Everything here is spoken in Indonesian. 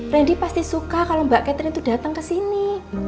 randy pasti suka kalau mbak catherine tuh datang kesini